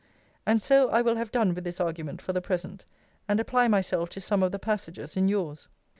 And so I will have done with this argument for the present; and apply myself to some of the passages in yours.